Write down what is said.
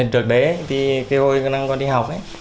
trước đấy thì khi hồi con đi học ấy